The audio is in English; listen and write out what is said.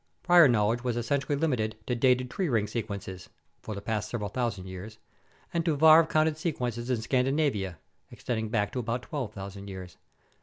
Prior knowledge was essentially limited to dated tree ring sequences (for the past several thousand years) and to varve counted sequences in Scandinavia (ex tending back to about 12,000 years).